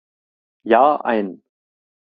Jahr ein.